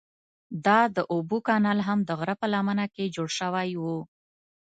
دا د اوبو کانال هم د غره په لمنه کې جوړ شوی و.